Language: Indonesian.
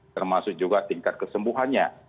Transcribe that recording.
termasuk juga tingkat kesembuhannya